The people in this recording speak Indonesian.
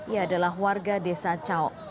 ia adalah warga desa caok